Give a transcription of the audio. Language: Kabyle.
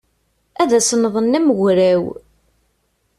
Ad as-nnḍen am ugraw.